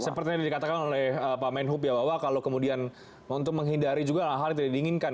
seperti yang dikatakan oleh pak menhub ya bahwa kalau kemudian untuk menghindari juga hal hal yang tidak diinginkan